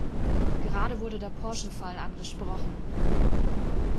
Gerade wurde der Porsche-Fall angesprochen.